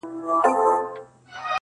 زما كيسه به ښايي نه وي د منلو.!